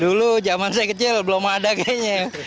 dulu zaman saya kecil belum ada kayaknya